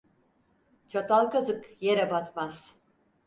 Çatal kazık yere batmaz.